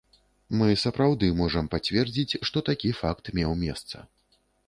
Мы сапраўды можам пацвердзіць, што такі факт меў месца.